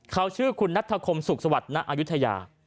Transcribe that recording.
เขาชื่อคุณนัทธคมสุขสวัสดิณอายุทยา